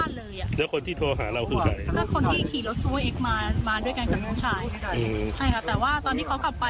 น่าจะเป็นเมียกับลูกสาวเขามารับรถกระบะกลับไป